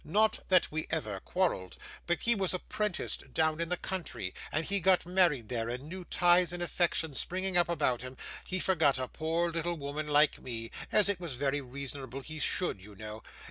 Not that we ever quarrelled, but he was apprenticed down in the country, and he got married there; and new ties and affections springing up about him, he forgot a poor little woman like me, as it was very reasonable he should, you know.